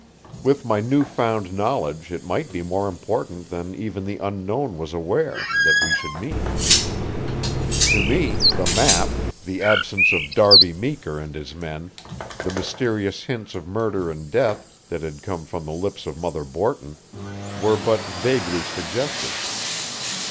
With my new found knowledge it might be more important than even the Unknown was aware, that we should meet. To me, the map, the absence of Darby Meeker and his men, the mysterious hints of murder and death that had come from the lips of Mother Borton, were but vaguely suggestive.